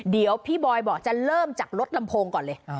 เดี๋ยวพี่บอยบอกจะเริ่มจากรถลำโพงก่อนเลย